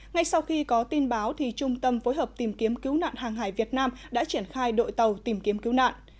ngay sau khi có tin báo trung tâm phối hợp tìm kiếm cứu nạn hàng hải việt nam đã triển khai đội tàu tìm kiếm cứu nạn